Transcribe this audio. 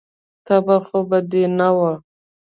تبه خو به دې نه وه.